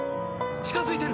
近づいてる！